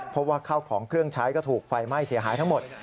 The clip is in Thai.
เพราะว่าข้าวของเครื่องใช้ก็ถูกไฟไหม้เสียหายทั้งหมด